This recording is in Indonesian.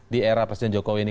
di era presiden jokowi ini